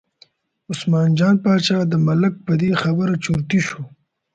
عثمان جان باچا د ملک په دې خبره چرتي شو.